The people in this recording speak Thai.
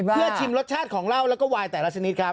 เพื่อชิมรสชาติของเหล้าแล้วก็วายแต่ละชนิดครับ